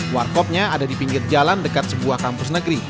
warkopnya ada di pinggir jalan dekat sebuah kampus negeri